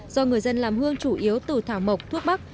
do người dân làm hương chủ yếu từ thảo mộc thuốc bắc